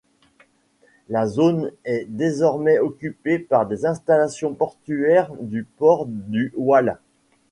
La zone est désormais occupée par des installations portuaires du port du Waal.